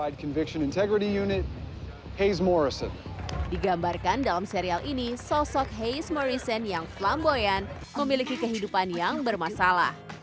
digambarkan dalam serial ini sosok hays morrison yang flamboyan memiliki kehidupan yang bermasalah